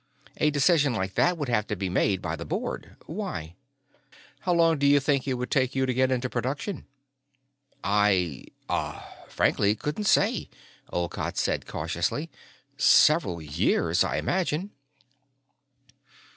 "A decision like that would have to be made by the Board. Why?" "How long do you think it would take you to get into production?" "I ... ah ... frankly couldn't say," Olcott said cautiously. "Several years, I imagine..."